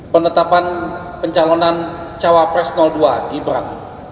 penetapan pencalonan cawapres dua di berat